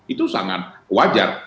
itu sangat wajar